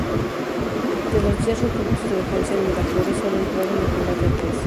De los diez reductos de defensa en Miraflores, solo entraron en combate tres.